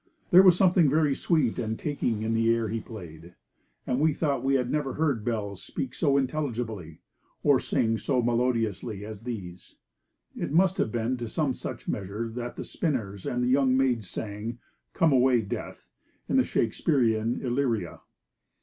There was something very sweet and taking in the air he played; and we thought we had never heard bells speak so intelligibly, or sing so melodiously, as these. It must have been to some such measure that the spinners and the young maids sang, 'Come away, Death,' in the Shakespearian Illyria.